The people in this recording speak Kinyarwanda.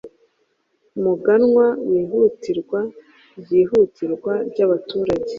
Muganwa wihutirwa ryihutirwa ryabaturage